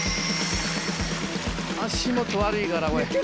足元悪いからこれ。